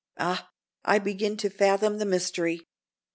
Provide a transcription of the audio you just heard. Ah, I begin to fathom the mystery."